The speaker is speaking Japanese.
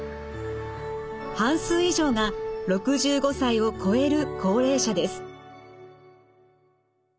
半数以上が６５歳を越える高齢者です。